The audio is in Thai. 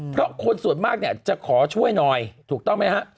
เพราะคนส่วนมากเนี่ยจะขอช่วยหน่อยถูกต้องไหมฮะ